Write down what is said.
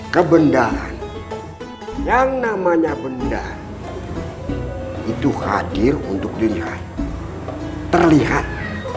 kebendahan yang namanya benda itu hadir untuk dilihat terlihat